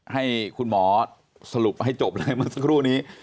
ให้คุณหมอสรุปให้จบเลยเมื่อสักครู่นี้